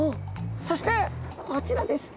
そしてこちらです。